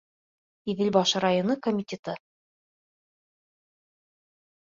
Иҙелбаш районы комитеты!